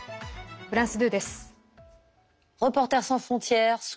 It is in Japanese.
フランス２です。